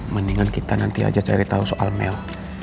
mendingan kita nanti aja cari tahu soal mel